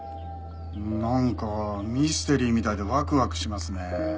なんかミステリーみたいでワクワクしますね。